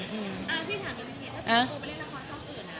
อ่าพี่ถามดูพี่ถ้าสมมติปูไปเล่นละครช่องอื่นอะ